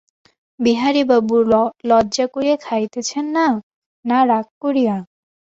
বিহারীবাবু, লজ্জা করিয়া খাইতেছেন না, না রাগ করিয়া?